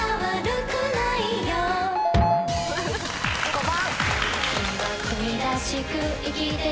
５番。